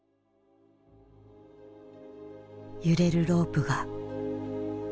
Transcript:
揺れるロープが。